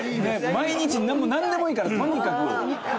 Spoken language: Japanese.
毎日なんでもいいからとにかく。